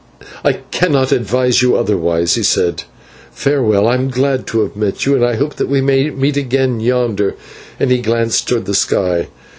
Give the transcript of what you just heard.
"I cannot advise you otherwise," he said. "Farewell, I am glad to have met you and I hope that we may meet again yonder," and he glanced towards the sky.